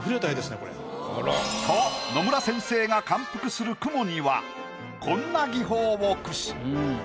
と野村先生が感服する雲にはこんな技法を駆使。